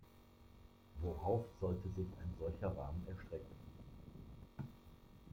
Worauf sollte sich ein solcher Rahmen erstrecken?